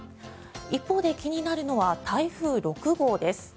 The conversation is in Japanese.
一方で、気になるのは台風６号です。